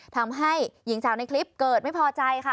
ทำให้หญิงสาวในคลิปเกิดไม่พอใจค่ะ